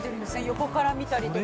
横から見たりとか。